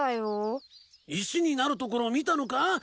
石になるところ見たのか？